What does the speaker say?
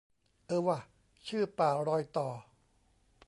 เออว่ะ ชื่อ ป่ารอยต่อ